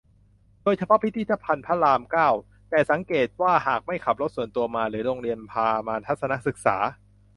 โดยเฉพาะพิพิธภัณฑ์พระราม เก้า แต่สังเกตว่าหากไม่ขับรถส่วนตัวมา หรือ โรงเรียนพามาทัศนศึกษา